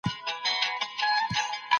ستا تر ځوانۍ